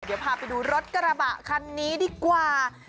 เดี๋ยวพาไปดูรถกระบะคันนี้ดีกว่า